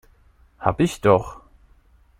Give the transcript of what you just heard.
Habe ich doch!